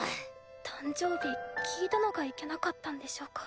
誕生日聞いたのがいけなかったんでしょうか？